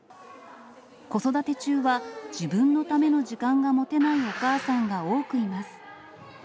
子育て中は、自分のための時間が持てないお母さんが多くいます。